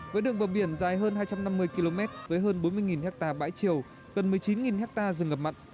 với đường bờ biển dài hơn hai trăm năm mươi km với hơn bốn mươi ha bãi chiều gần một mươi chín hectare rừng ngập mặn